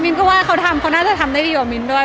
มิ้นก็ว่าเขาทำจะทำดีกว่ามิ้นด้อย